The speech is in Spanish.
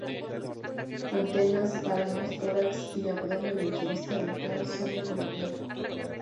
Antenas, palpos, tórax y abdomen en su vista ventral son de color blanco.